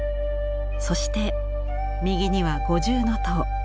そして右には五重塔。